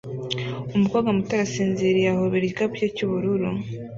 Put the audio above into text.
Umukobwa muto arasinziriye ahobera igikapu cye cy'ubururu